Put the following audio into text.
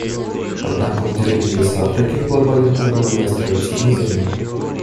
Однако удельный вес Африки в глобальной торговле остается мизерным.